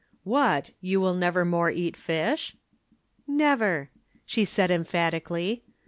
"What! you will nevermore eat fish?" "Never," she said emphatically.